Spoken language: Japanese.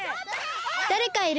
だれかいる！